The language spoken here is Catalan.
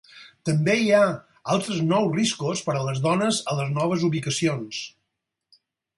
També hi ha altres nous riscos per a les dones a les noves ubicacions.